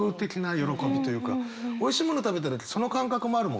おいしいものを食べたらその感覚もあるもんね。